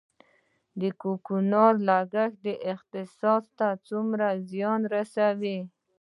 د کوکنارو کښت اقتصاد ته څومره زیان رسوي؟